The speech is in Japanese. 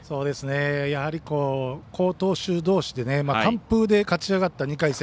やはり好投手同士で完封で勝ち上がった２回戦。